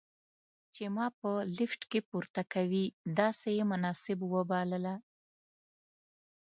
چې ما به په لفټ کې پورته کوي، داسې یې مناسب وبلله.